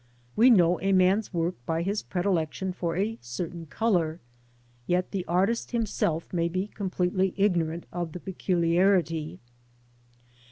We know a man's work by his predilection for a certain colour, yet the artist himself may be completely ignorant of the peculiarity.